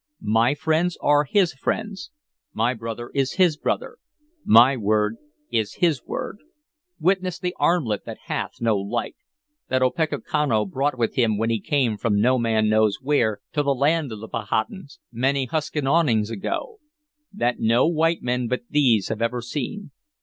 My friends are his friends, my brother is his brother, my word is his word: witness the armlet that hath no like; that Opechancanough brought with him when he came from no man knows where to the land of the Powhatans, many Huskanawings ago; that no white men but these have ever seen.